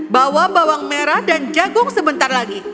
bawa bawang merah dan jagung sebentar lagi